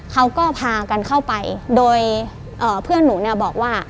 เขาก็พากันเข้าไปโดยเพื่อนหนูเนี่ยบอกว่า